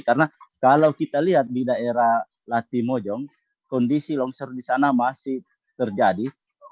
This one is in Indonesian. karena kalau kita lihat di daerah latimojong kondisi longsor di sana masih terjadi